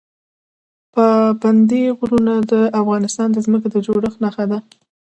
پابندی غرونه د افغانستان د ځمکې د جوړښت نښه ده.